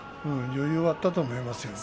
余裕はあったと思いますよ